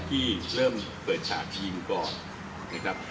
ที่เริ่มเปิดสู้จากมีหมู่บอท